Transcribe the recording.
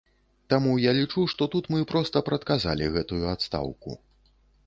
Таму я лічу, што тут мы проста прадказалі гэтую адстаўку.